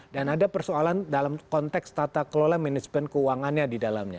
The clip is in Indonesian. dan ada persoalan dalam konteks tata kelola manajemen keuangannya di dalamnya